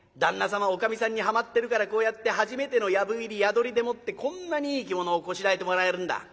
様おかみさんにはまってるからこうやって初めての藪入り宿りでもってこんなにいい着物をこしらえてもらえるんだ。